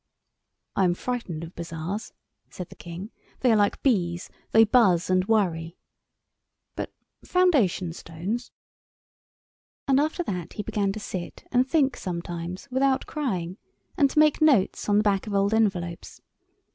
"I am frightened of bazaars," said the King; "they are like bees—they buzz and worry; but foundation stones——" And after that he began to sit and think sometimes, without crying, and to make notes on the backs of old envelopes.